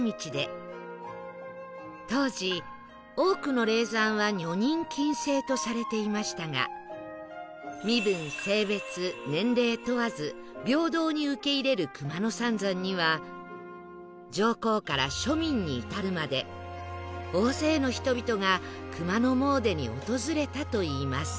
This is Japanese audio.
当時多くの霊山は女人禁制とされていましたが身分性別年齢問わず平等に受け入れる熊野三山には上皇から庶民に至るまで大勢の人々が熊野詣に訪れたといいます